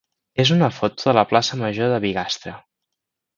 és una foto de la plaça major de Bigastre.